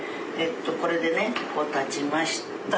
これでねこう立ちました。